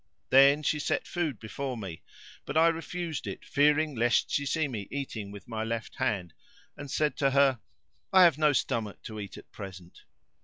Then she set food before me, but I refused it fearing lest she see me eating with my left hand and said to her, "I have no stomach to eat at present."